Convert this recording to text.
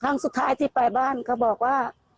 ครั้งสุดท้ายที่ไปบ้านเขาบอกว่า